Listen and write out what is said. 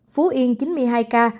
phú yên chín mươi hai ca